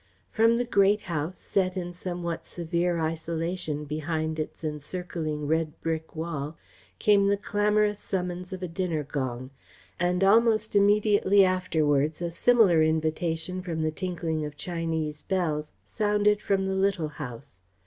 From the Great House, set in somewhat severe isolation behind its encircling red brick wall, came the clamorous summons of a dinner gong, and almost immediately afterwards a similar invitation from the tinkling of Chinese bells sounded from the Little House.